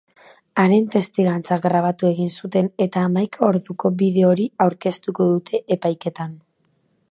Haren testigantza grabatu egin zuten eta hamaika orduko bideo hori aurkeztuko dute epaiketan.